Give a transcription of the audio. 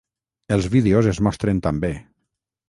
Els vídeos es mostren també.